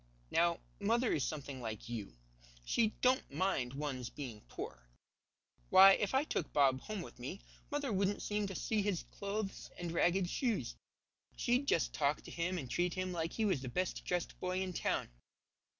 Now, mother is something like you. She don't mind one's being poor. Why, if I took Bob home with me, mother wouldn't seem to see his clothes and ragged shoes. She'd just talk to him and treat him like he was the best dressed boy in town.